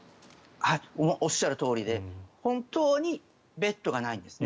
おっしゃるとおりで本当にベッドがないんですね。